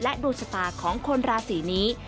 และโดชตาของคนราศีนี้